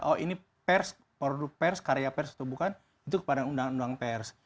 oh ini pers produk pers karya pers atau bukan itu kepada undang undang pers